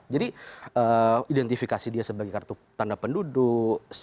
jadi identifikasi dia sebagai kartu tanda penduduk